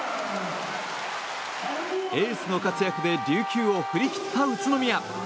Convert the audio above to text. エースの活躍で琉球を振り切った宇都宮。